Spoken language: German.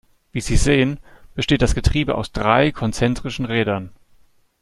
Wie Sie sehen, besteht das Getriebe aus drei konzentrischen Rädern.